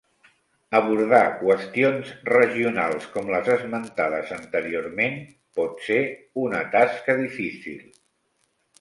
Abordar qüestions regionals com les esmentades anteriorment pot ser una tasca difícil.